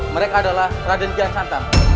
mereka adalah raden jaya santang